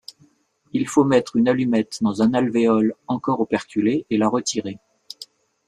Il faut mettre une allumette dans un alvéole encore operculé et la retirer.